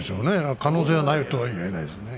可能性がないとは言えないですね。